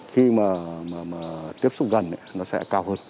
khi mà tiếp xúc gần nó sẽ cao hơn